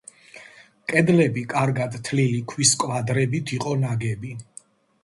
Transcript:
კედლები კარგად თლილი ქვის კვადრებით იყო ნაგები.